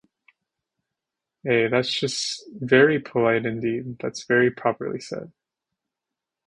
Aye, that's very just, indeed, that's very properly said.